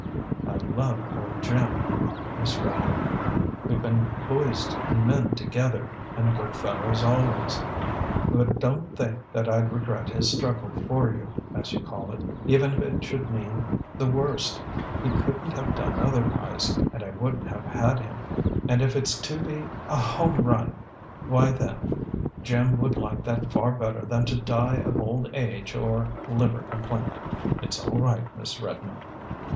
"I love old Jim, Miss Redmond. We've been boys and men together, and good fellows always. But don't think that I'd regret his struggle for you, as you call it, even if it should mean the worst. He couldn't have done otherwise, and I wouldn't have had him. And if it's to be a a home run why, then, Jim would like that far better than to die of old age or liver complaint. It's all right, Miss Redmond."